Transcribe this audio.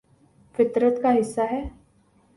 فطرت کا حصہ ہے